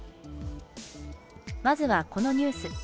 まずはこのニュース。